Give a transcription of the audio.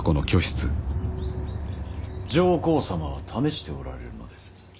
上皇様は試しておられるのです。